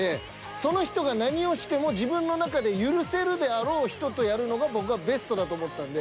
その人が何をしても自分の中で許せるであろう人とやるのが僕はベストだと思ったんで。